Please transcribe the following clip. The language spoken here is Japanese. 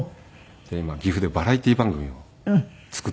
今岐阜でバラエティー番組を作っているんですよ。